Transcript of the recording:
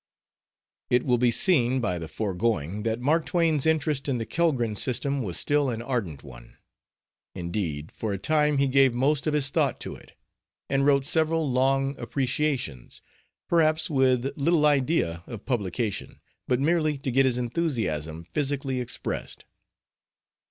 It will be seen by the foregoing that Mark Twain's interest in the Kellgren system was still an ardent one. Indeed, for a time he gave most of his thought to it, and wrote several long appreciations, perhaps with little idea of publication, but merely to get his enthusiasm physically expressed.